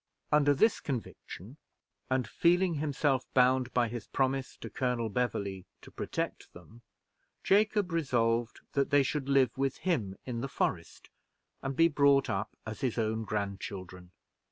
Under this conviction, and feeling himself bound by his promise to Colonel Beverley to protect them, Jacob resolved that they should live with him in the forest, and be brought up as his own grandchildren.